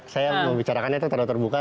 saya mau bicara karena itu terlalu terbuka